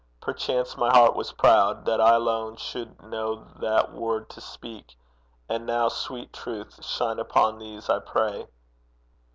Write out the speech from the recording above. perchance my heart was proud That I alone should know that word to speak; And now, sweet Truth, shine upon these, I pray.'